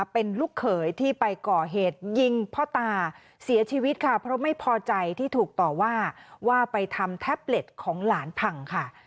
เป็นลูกเขยที่ไปก่อเหตุยิงพ่อตาเสียชีวิตค่ะเพราะไม่พอใจที่ถูกต่อว่าว่าไปทำแท็บเล็ตของหลานพังค่ะ